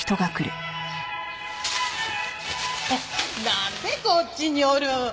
なんでこっちにおるん？